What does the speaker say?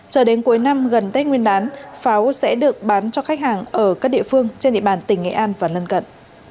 chờ đến cuối năm gần tết nguyên đán pháo sẽ được bán cho khách hàng ở các địa phương trên địa bàn tỉnh nghệ an và lân cận